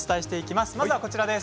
まずは、こちらです。